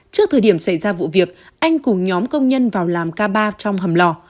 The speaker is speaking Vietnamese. trước thời điểm xảy ra vụ việc anh cùng nhóm công nhân vào làm k ba trong hầm lò